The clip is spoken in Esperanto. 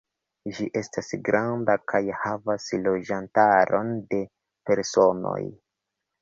Ĝi estas granda kaj havas loĝantaron de personoj.